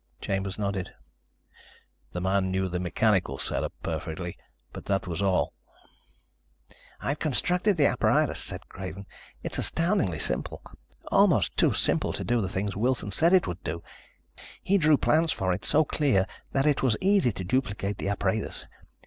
Chambers nodded. "The man knew the mechanical setup perfectly, but that was all." "I've constructed the apparatus," said Craven. "It's astoundingly simple. Almost too simple to do the things Wilson said it would do. He drew plans for it, so clear that it was easy to duplicate the apparatus.